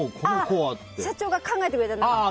社長が考えてくれたんです。